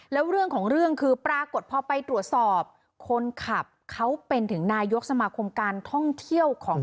แล้วเรื่องของเรื่องคือปรากฏพอไปตรวจสอบคนขับเขาเป็นถึงนายกสมาคมการท่องเที่ยวของ